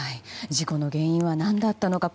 事故の原因は何だったのか。